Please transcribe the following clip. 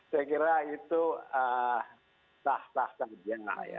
saya kira itu sah sah saja